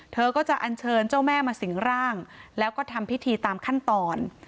เธอก็จะอันเชิญเจ้าแม่มาสิงร่างแล้วก็ทำพิธีตามขั้นตอน